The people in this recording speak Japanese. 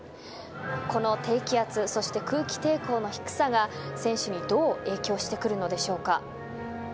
この低気圧そして空気抵抗の低さが選手にどう影響してくるのでしょうか。